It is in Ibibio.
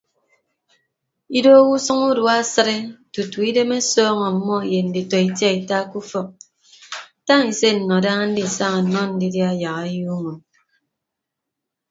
Idoho usʌñ udua asịde tutu idem ọsọọñ ọmmọ ye nditọ itiaita ke ufọk tañ ise nnọ daña ndisaña nnọ ndidia yak ayuuñọ.